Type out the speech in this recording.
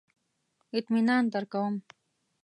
اطمینان درکوم.